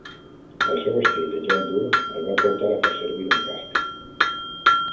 El seu estil de joc dur el va portar a fer servir un casc.